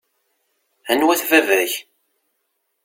Anwa-t baba-k?